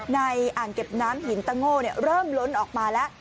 อ่างเก็บน้ำหินตะโง่เริ่มล้นออกมาแล้ว